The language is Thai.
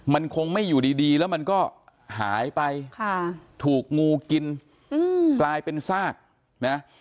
มันคงไม่อยู่ดีแล้วมันก็หายไปถูกงูกินกลายเป็นซากนะ